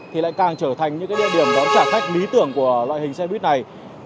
thì lại càng trở thành những địa điểm đón trả khách lý tưởng của loại hình xe buýt này